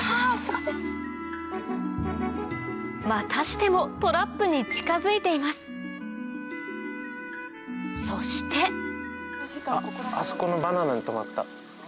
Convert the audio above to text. またしてもトラップに近づいていますそしてあっあそこのバナナに止まった。